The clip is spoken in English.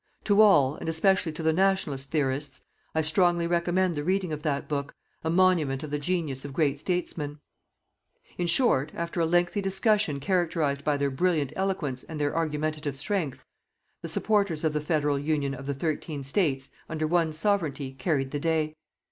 To all, and especially to the "Nationalist" theorists, I strongly recommend the reading of that book, a monument of the genius of great statesmen. In short, after a lengthy discussion characterized by their brilliant eloquence and their argumentative strength, the supporters of the Federal Union of the thirteen States, under one Sovereignty, carried the day.